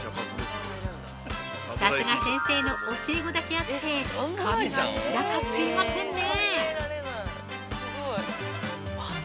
さすが先生の教え子だけあって、紙が散らかっていませんね。